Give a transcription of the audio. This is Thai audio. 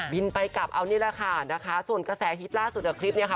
บินไปกลับเอานี่แหละค่ะส่วนกระแสฮีดล่าสุดกับคลิปเนี่ยค่ะ